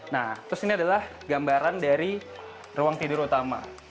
nah terus ini adalah gambaran dari ruang tidur utama